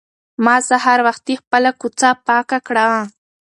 ما سهار وختي خپله کوڅه پاکه کړه.